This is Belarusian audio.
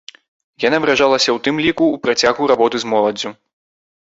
Яна выражалася ў тым ліку ў працягу работы з моладдзю.